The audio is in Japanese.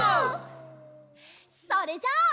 それじゃあ。